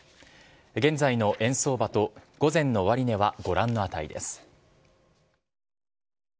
現在の円相場と午前の終値はご覧の値です。